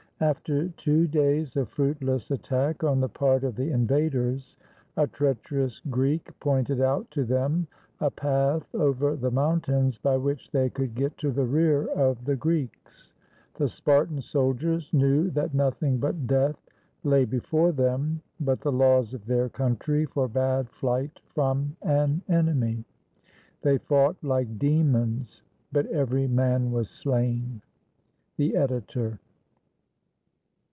After two days of fruitless at tack on the part of the invaders, a treacherous Greek pointed out to them a path over the mountains by which they could get to the rear of the Greeks. The Spartan soldiers knew that nothing but death lay before them, but the laws of their country forbade flight from an enemy. They fought like demons, but every man was slain. The Editor.